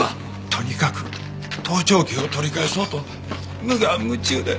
とにかく盗聴器を取り返そうと無我夢中で。